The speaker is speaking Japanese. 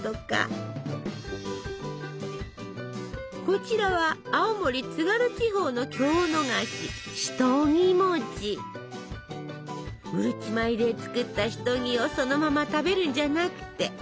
こちらは青森津軽地方の郷土菓子うるち米で作ったシトギをそのまま食べるんじゃなくて。